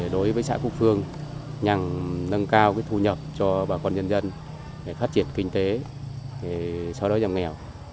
đối với xã cốc phương nhằm nâng cao cái thu nhập cho bà con dân dân phát triển kinh tế xóa đối giảm nghèo